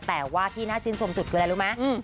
แต่ว่าที่น่าชื่นชมสุดคืออะไรรู้ไหม